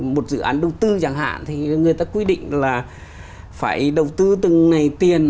một dự án đầu tư chẳng hạn thì người ta quy định là phải đầu tư từng ngày tiền